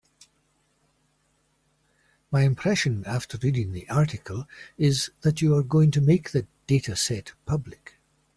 My impression after reading the article is that you are going to make the dataset public.